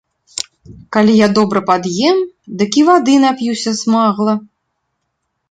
Калі я добра пад'ем, дык і вады нап'юся смагла.